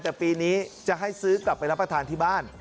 แต่ปีนี้จะให้ซื้อกลับไปรับประทานที่บ้าน